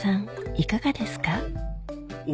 いかがですか？